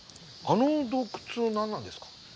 あの洞窟は何なんですか？